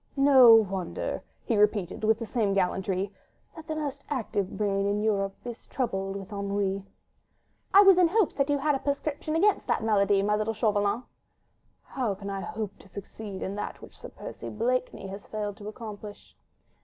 "No wonder," he repeated, with the same gallantry, "that the most active brain in Europe is troubled with ennui." "I was in hopes that you had a prescription against the malady, my little Chauvelin." "How can I hope to succeed in that which Sir Percy Blakeney has failed to accomplish?"